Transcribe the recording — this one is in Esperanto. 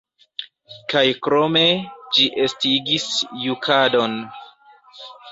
Kaj krome, ĝi estigis jukadon.